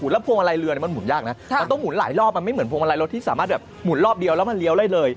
แล้วพวงมาลัยเรือมันหุ่นยากนะมันต้องหุ่นหลายรอบมันไม่เหมือนพวงมาลัยรถที่สามารถแบบหุ่นรอบเดียวแล้วมันเลี้ยวได้เลย